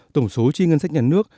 tổng số chi ngân sách nhà nước